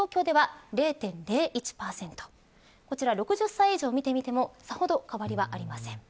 ６０歳以上を見てみてもさほど変わりはありません。